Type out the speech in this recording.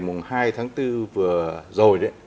mùng hai tháng bốn vừa rồi